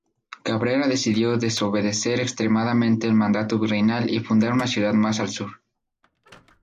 Cabrera decidió desobedecer expresamente el mandato virreinal y fundar una ciudad más al sur.